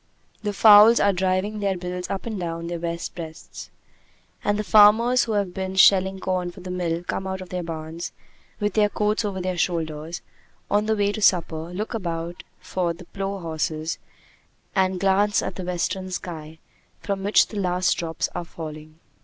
The fowls are driving their bills up and down their wet breasts. And the farmers who have been shelling corn for the mill come out of their barns, with their coats over their shoulders, on the way to supper, look about for the plough horses, and glance at the western sky, from which the last drops are falling.